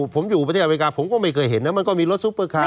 ผมอยู่ประเทศอเมริกาผมก็ไม่เคยเห็นนะมันก็มีรถซุปเปอร์คาร์